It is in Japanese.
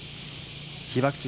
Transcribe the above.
被爆地